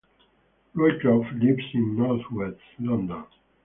Roycroft lives in northwest London.